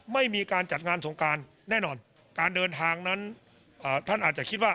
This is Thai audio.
ไม่มีการจัดงานสงการแน่นอนการเดินทางนั้นท่านอาจจะคิดว่า